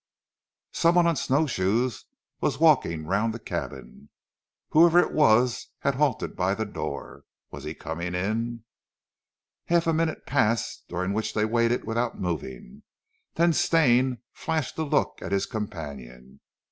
Some one on snow shoes was walking round the cabin. Whoever it was had halted by the door. Was he coming in? Half a minute passed during which they waited without moving, then Stane flashed a look at his companion.